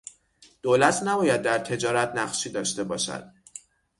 دولت نباید در تجارت نقشی داشته باشد.